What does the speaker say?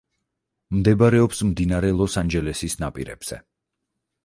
მდებარეობს მდინარე ლოს-ანჯელესის ნაპირებზე.